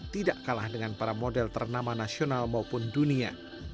tidak kalah dengan para model ternama nasional maupun dunia